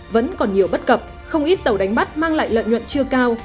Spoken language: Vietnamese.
vẫn còn nhiều bất cập không ít tàu đánh bắt mang lại lợi nhuận chưa cao